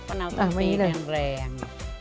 ปะน้าวต้องตีแรงแรง